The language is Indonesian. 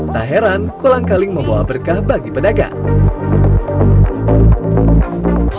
tak heran kolang kaling membawa berkah bagi pedagang